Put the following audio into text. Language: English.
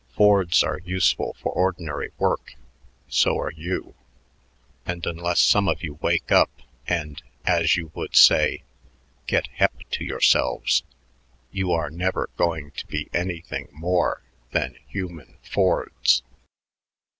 Fords are useful for ordinary work; so are you and unless some of you wake up and, as you would say, 'get hep to yourselves,' you are never going to be anything more than human Fords.